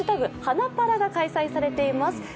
はなパラが開催されています。